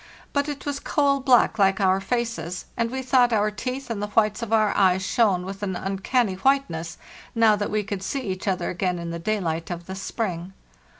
But it was coal black like our faces, and we thought our teeth and the whites of our eyes shone with an uncanny white ness, now that we could see each other again in the day light of the spring.